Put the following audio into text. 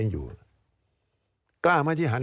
การเลือกตั้งครั้งนี้แน่